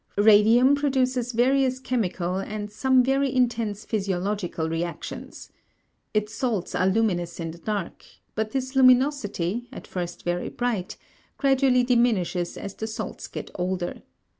Radium produces various chemical and some very intense physiological reactions. Its salts are luminous in the dark, but this luminosity, at first very bright, gradually diminishes as the salts get older.